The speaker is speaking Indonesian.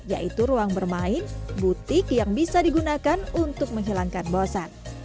yaitu ruang bermain butik yang bisa digunakan untuk menghilangkan bosan